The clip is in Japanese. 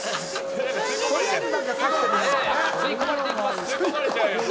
吸い込まれていきます。